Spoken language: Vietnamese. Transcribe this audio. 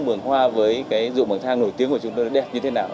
bường hoa với rượu bằng thang nổi tiếng của chúng tôi đẹp như thế nào